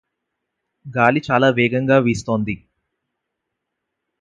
గాలి చాలా వేగంగా వీస్తోంది.